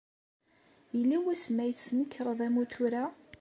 Yella wasmi ay tesnekreḍ amutur-a?